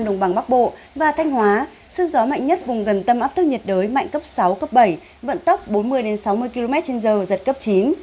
sức gió mạnh nhất vùng gần tâm áp thấp nhiệt đới mạnh cấp sáu cấp bảy vận tốc bốn mươi sáu mươi km trên giờ giật cấp chín